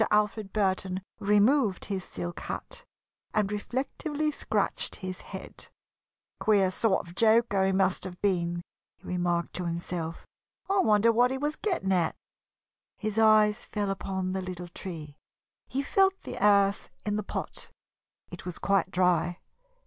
Alfred Burton removed his silk hat and reflectively scratched his head. "Queer sort of joker he must have been," he remarked to himself. "I wonder what he was getting at?" His eyes fell upon the little tree. He felt the earth in the pot it was quite dry.